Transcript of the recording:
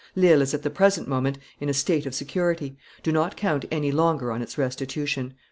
Lille is at the present moment in a state of security; do not count any longer on its restitution."